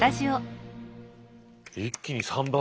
一気に３倍！